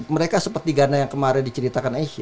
mereka seperti gana yang kemarin diceritakan aisyah